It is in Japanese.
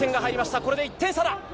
これで１点差だ。